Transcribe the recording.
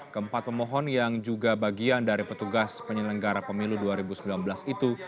keempat pemohon yang juga bagian dari petugas penyelenggara pemilu dua ribu sembilan belas itu